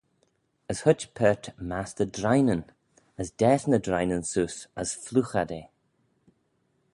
As huitt paart mastey drineyn: as daase ny drineyn seose as phloogh ad eh.